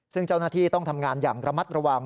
ซึ่งเจ้าหน้าที่ต้องทำงานอย่างระมัดระวัง